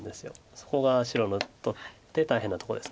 そこが白にとって大変なとこです。